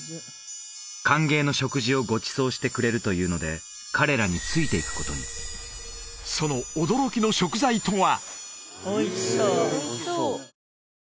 歓迎の食事をごちそうしてくれるというので彼らについていくことにその驚きの食材とは？